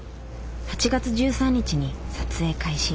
８月１３日に撮影開始。